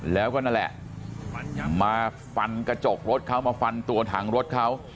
แล้วก็นั่นแหละมาฟันกระจกรถเขามาฟันตัวถังรถเขา